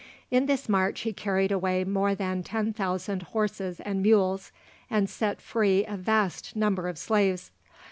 In this march he carried away more than 10,000 horses and mules, and set free a vast number of slaves.